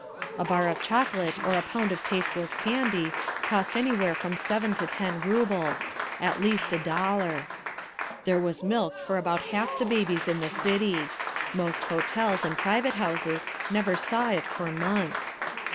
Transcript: A bar of chocolate or a pound of tasteless candy cost anywhere from seven to ten rubles—at least a dollar. There was milk for about half the babies in the city; most hotels and private houses never saw it for months.